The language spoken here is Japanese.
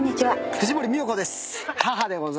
藤森美代子です。